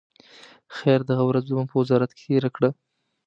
خیر، دغه ورځ مو په وزارت کې تېره کړه.